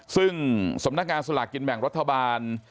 ซึ่งสำนักงานสลากกินแบ่งรัฐบาล